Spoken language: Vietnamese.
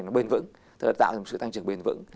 nó bền vững tạo ra một sự tăng trưởng bền vững